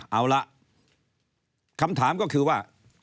เอาละคำถามก็คือว่า